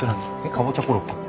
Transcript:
かぼちゃコロッケ。